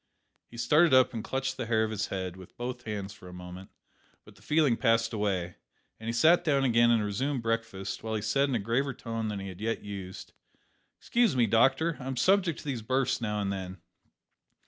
He started up and clutched the hair of his head with both hands for a moment; but the feeling passed away, and he sat down again and resumed breakfast, while he said in a graver tone than he had yet used "Excuse me, doctor; I'm subject to these bursts now and then.